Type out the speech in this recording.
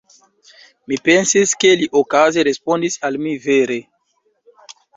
Mi pensis, ke li okaze respondis al mi vere.